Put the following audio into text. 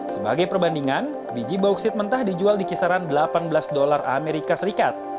sebagai perbandingan biji bauksit mentah dijual di kisaran delapan belas dolar amerika serikat